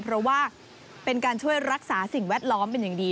เพราะว่าเป็นการช่วยรักษาสิ่งแวดล้อมเป็นอย่างดี